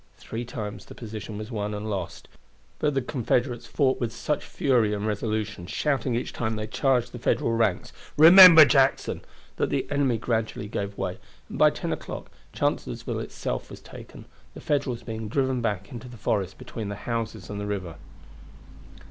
Three times the position was won and lost; but the Confederates fought with such fury and resolution, shouting each time they charged the Federal ranks "Remember Jackson," that the enemy gradually gave way, and by ten o'clock Chancellorsville itself was taken, the Federals being driven back into the forest between the houses and the river.